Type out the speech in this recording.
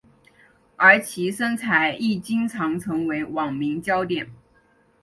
而其身材亦经常成为网民焦点。